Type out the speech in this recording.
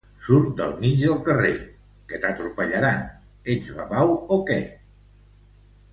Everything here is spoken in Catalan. Surt del mig del carrer, que t'atropellaran! Ets babau, o què!